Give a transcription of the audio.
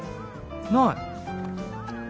ない。